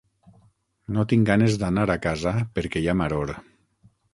No tinc ganes d'anar a casa perquè hi ha maror.